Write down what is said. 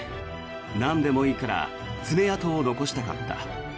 なんでもいいから爪痕を残したかった。